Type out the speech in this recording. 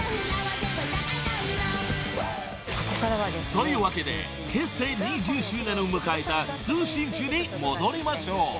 ［というわけで結成２０周年を迎えた四星球に戻りましょう］